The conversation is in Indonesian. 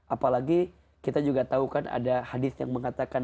apalagi kita juga tahu kan ada hadis yang mengatakan